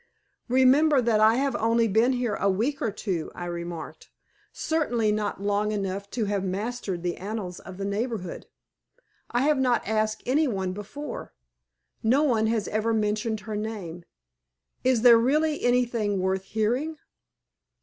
"Remember, that I have only been here a week or two," I remarked; "certainly not long enough to have mastered the annals of the neighborhood. I have not asked any one before. No one has ever mentioned her name. Is there really anything worth hearing?"